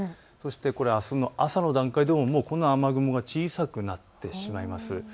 あすの朝の段階で雨雲は小さくなってしまいます。